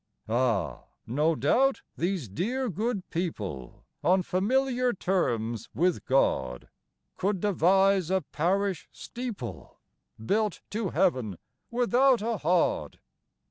Ah, no doubt these dear good people On familiar terms with God, Could devise a parish steeple Built to heaven without a hod.